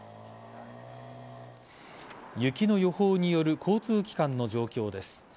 雪の予報による交通機関の状況です。